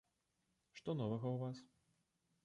Што новага ў вас?